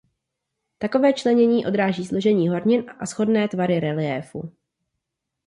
Takové členění odráží složení hornin a shodné tvary reliéfu.